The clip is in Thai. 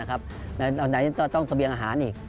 และต้องสะเบียงอาหารอีก